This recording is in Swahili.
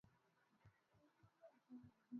uliyotokea tu kuzungumza na watu wengine waliokutana